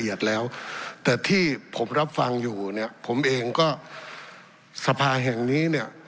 แต่ที่ผมรับฟังอยู่เนี่ยผมเองก็สภาแห่งนี้เนี่ย